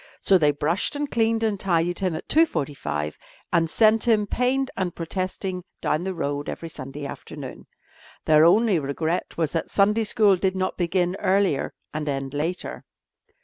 So they brushed and cleaned and tidied him at 2.45 and sent him, pained and protesting, down the road every Sunday afternoon. Their only regret was that Sunday school did not begin earlier and end later.